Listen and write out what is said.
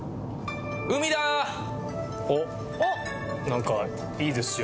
なんかいいですよ。